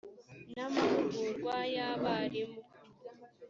n amahugurwa y abarimu